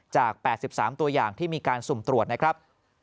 จาก๘๓ตัวอย่างที่มีการสุ่มตรวจนะครับ